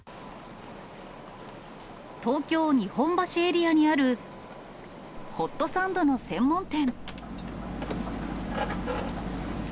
東京・日本橋エリアにある、ホットサンドの専門店。